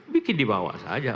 bikin di bawah saja